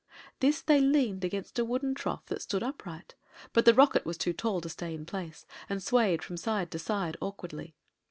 This they leaned against a wooden trough that stood upright; but the rocket was too tall to stay in place, and swayed from side to side awkwardly.